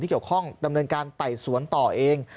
เกี่ยวข้องดำเนินการไต่สวนต่อเอง